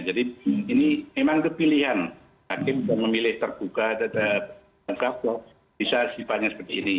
jadi ini memang kepilihan hakim sudah memilih terbuka tetap lengkap bisa sifatnya seperti ini